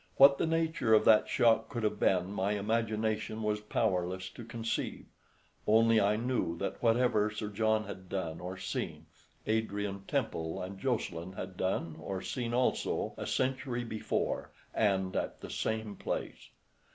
What the nature of that shock could have been my imagination was powerless to conceive, only I knew that whatever Sir John had done or seen, Adrian Temple and Jocelyn had done or seen also a century before and at the same place.